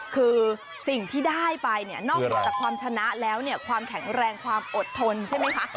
คือสิ่งที่ได้ไปเนี่ยนอกเหนือจากความชนะแล้วเนี่ยความแข็งแรงความอดทนใช่ไหมคะ